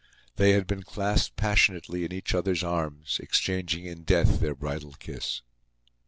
They had been clasped passionately in each other's arms, exchanging in death their bridal kiss.